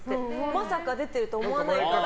まさか出てると思わないから。